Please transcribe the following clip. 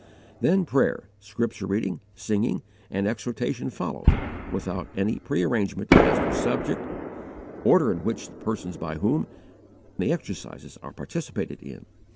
Then prayer, scripture reading, singing, and exhortation follow, without any prearrangement as to subject, order in which or persons by whom, the exercises are participated in.